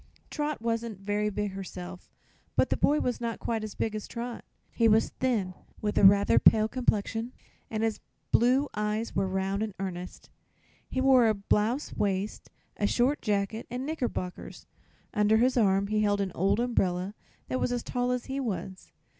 Trot wasn't very big herself, but the boy was not quite as big as Trot. He was thin, with a rather pale complexion and his blue eyes were round and earnest. He wore a blouse waist, a short jacket and knickerbockers. Under his arm he held an old umbrella that was as tall as he was.